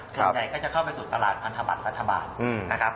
เงินใหญ่ก็จะเข้าไปสู่ตลาดรัฐบาทรัฐบาทนะครับ